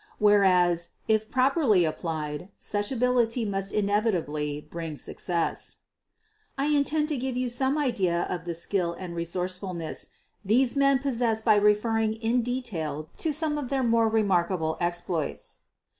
Whereas, if properly ap plied, such ability must inevitably bring success. I intend to give you some idea of the skill and resourcefulness these men possessed by referring in detail to some of their more remarkable exploits.